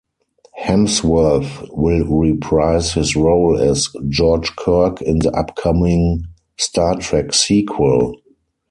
Hemsworth will reprise his role as George Kirk in the upcoming "Star Trek" sequel.